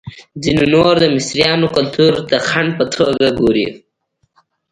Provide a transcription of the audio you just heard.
ځینې نور د مصریانو کلتور ته د خنډ په توګه ګوري.